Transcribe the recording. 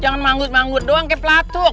jangan manggut manggur doang kayak pelatuk